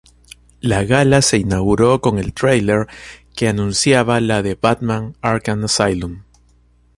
La gala se inauguró con el trailer que anunciaba la de "Batman Arkham Asylum".